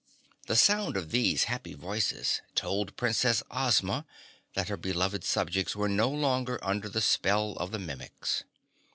The sound of these happy voices told Princess Ozma that her beloved subjects were no longer under the spell of the Mimics.